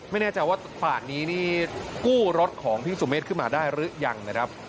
ไม่แน่ใจว่าฝ่านนี้นี่กู้รถของพี่สุเมฆขึ้นมาได้หรือยังนะครับ